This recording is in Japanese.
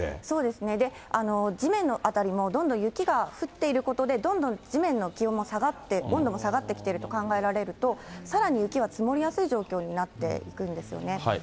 そうですね、地面の辺りもどんどん雪が降っていることで、どんどん地面の気温も下がって、温度も下がってきていると考えられると、さらに雪は積もりやすい状況になっていくんですよね。